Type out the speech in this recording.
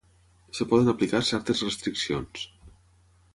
Es poden aplicar certes restriccions.